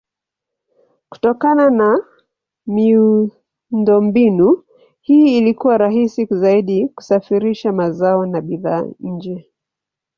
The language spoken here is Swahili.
Kutokana na miundombinu hii ilikuwa rahisi zaidi kusafirisha mazao na bidhaa nje.